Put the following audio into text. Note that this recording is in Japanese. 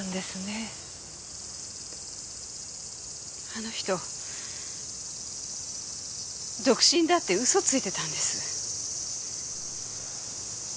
あの人独身だって嘘ついてたんです。